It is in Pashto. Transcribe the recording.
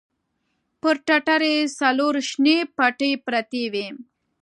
پر ټټر يې څلور شنې پټې پرتې وې.